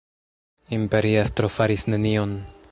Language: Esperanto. Imperiestro faris nenion.